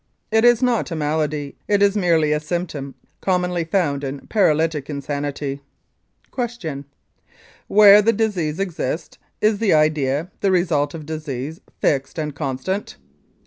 It is not a malady. It is merely a symptom, commonly found in paralytic insanity. Q. Where the disease exists, is the idea, the result of disease, fixed and constant?